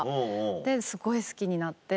ですごい好きになって。